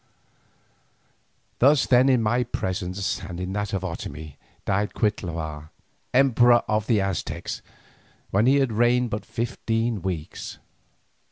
Thus then in my presence and in that of Otomie died Cuitlahua, emperor of the Aztecs, when he had reigned but fifteen weeks.